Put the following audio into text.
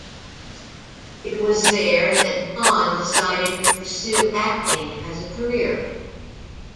It was there that Vaughn decided to pursue acting as a career.